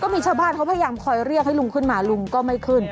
มีชาวบ้านเขาพยายามคอยเรียกให้ลุงขึ้นมาลุงก็ไม่ขึ้น